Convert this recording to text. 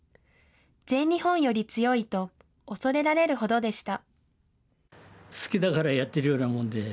全日本より強いと、恐れられるほどでした。